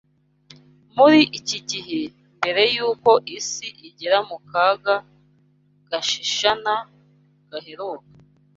Muri iki gihe, mbere y’uko isi igera mu kaga gashishana gaheruka